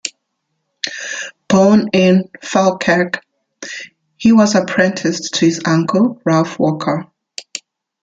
Born in Falkirk, he was apprenticed to his uncle Ralph Walker.